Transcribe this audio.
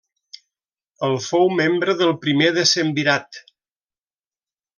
El fou membre del primer decemvirat.